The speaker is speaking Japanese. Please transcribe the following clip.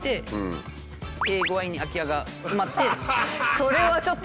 それはちょっと。